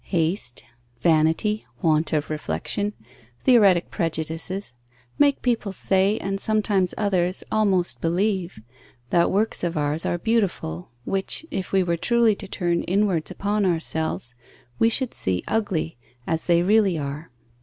Haste, vanity, want of reflexion, theoretic prejudices, make people say, and sometimes others almost believe, that works of ours are beautiful, which, if we were truly to turn inwards upon ourselves, we should see ugly, as they really are.